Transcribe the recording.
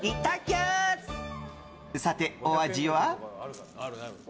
さて、お味は？